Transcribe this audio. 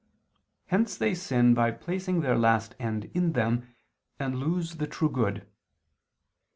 Hence they sin by placing their last end in them, and lose the true good.